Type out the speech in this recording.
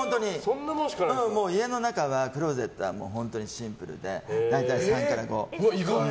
家の中はクローゼットは本当にシンプルで大体３から５セット。